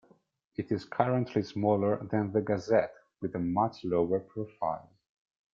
It is currently smaller than the Gazette, with a much lower profile.